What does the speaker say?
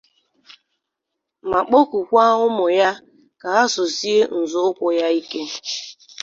ma kpọkuokwa ụmụ ya ka ha sosie nzọụkwụ ya ike